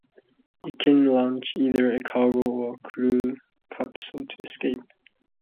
It can launch either a cargo or a crew capsule to space.